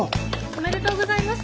おめでとうございます！